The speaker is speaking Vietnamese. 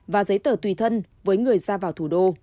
và giấy tờ tùy thân với người ra vào thủ đô